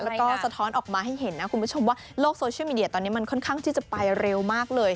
แล้วก็สะท้อนออกมาให้เห็นนะคุณผู้ชมว่าโลกโซเชียลมีเดียตอนนี้มันค่อนข้างที่จะไปเร็วมากเลย